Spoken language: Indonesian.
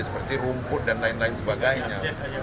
seperti rumput dan lain lain sebagainya